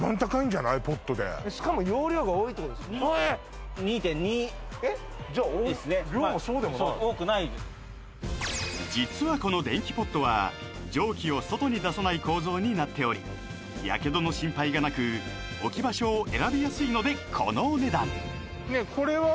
じゃ量もそうでもないそう多くない実はこの電気ポットは蒸気を外に出さない構造になっておりヤケドの心配がなく置き場所を選びやすいのでこのお値段ねえこれは？